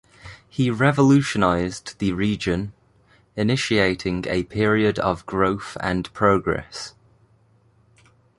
He revolutionized the region, initiating a period of growth and progress.